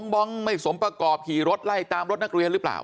บองไม่สมประกอบขี่รถไล่ตามรถนักเรียนหรือเปล่า